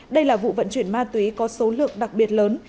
đây là vụ vận chuyển ma túy có số lượng đặc biệt lớn